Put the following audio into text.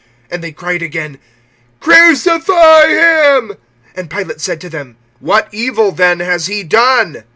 (13)And they cried again: Crucify him. (14)And Pilate said to them: What evil then has he done?